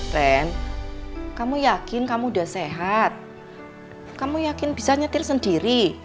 ren kamu yakin kamu udah sehat kamu yakin bisa nyetir sendiri